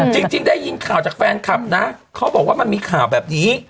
จริงได้ยินข่าวจากแฟนคลับนะเขาบอกว่ามันมีข่าวแบบนี้